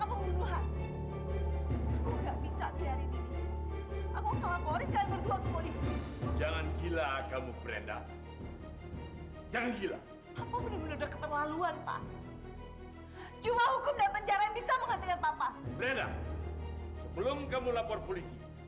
brenda jangan lari